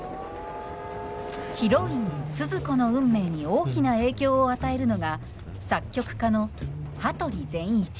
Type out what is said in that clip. ヒロインスズ子の運命に大きな影響を与えるのが作曲家の羽鳥善一。